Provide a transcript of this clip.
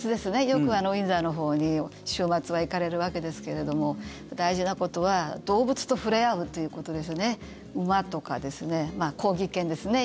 よくウィンザーのほうに週末は行かれるわけですけれども大事なことは動物と触れ合うということですね馬とか、コーギー犬ですね。